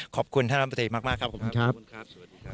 ขอบคุณท่านรัฐมนตรีมากครับขอบคุณครับขอบคุณครับ